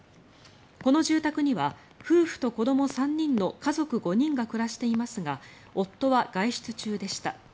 この住宅には夫婦と子ども３人の家族５人が暮らしていますが夫は外出中でした。